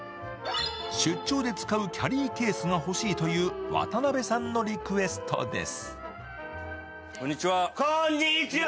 出張で使うキャリーケースが欲しいという渡辺さんのリクエストです。